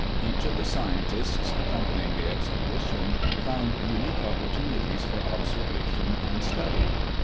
Each of the scientists accompanying the expedition found unique opportunities for observation and study.